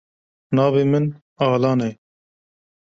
Navê min Alan e.